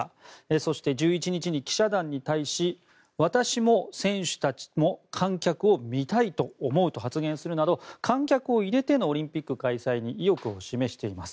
そして、１１日に記者団に対し私も選手たちも観客を見たいと思うと発言するなど観客を入れてのオリンピック開催に意欲を示しています。